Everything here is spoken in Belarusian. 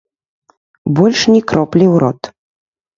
Больш ні кроплі ў рот.